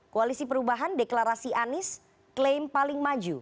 koalisi perubahan deklarasi anies klaim paling maju